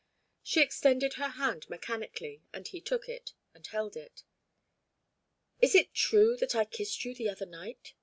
She extended her hand mechanically, and he took it and held it. "Is it true that I kissed you the other night?"